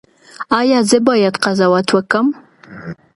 ایا زه باید قضاوت وکړم؟